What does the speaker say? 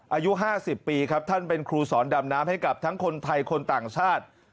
อายุ๕๐ปีครับท่านเป็นครูสอนดำน้ำให้กับทั้งคนไทยคนต่างชาติ